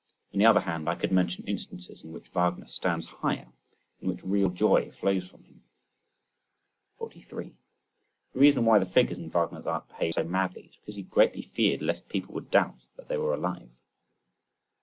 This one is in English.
On the other hand I could mention instances in which Wagner stands higher, in which real joy flows from him. 43. The reason why the figures in Wagner's art behave so madly, is because he greatly feared lest people would doubt that they were alive.